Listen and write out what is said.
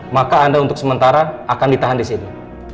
maka anda untuk sementara akan ditahan disini